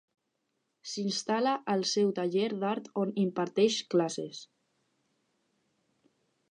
S'instal·la al seu taller d'art on imparteix classes.